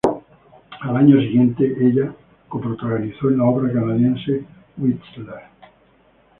El año siguiente, ella co-protagonizó en la obra canadiense, "Whistler.